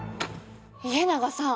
家長さん！